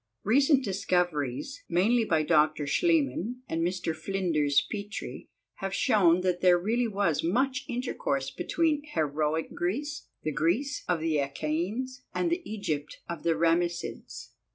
Recent discoveries, mainly by Dr. Schliemann and Mr. Flinders Petrie, have shown that there really was much intercourse between Heroic Greece, the Greece of the Achaeans, and the Egypt of the Ramessids.